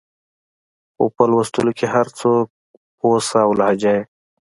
خو په لوستو کې هر څوک پوه شه او لهجه يې